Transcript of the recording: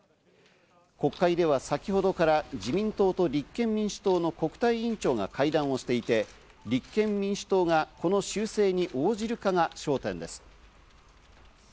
国会では先ほどから自民党と立憲民主党の国対委員長が会談をしていて、立憲民主党がこの修正に応じるかが焦点です。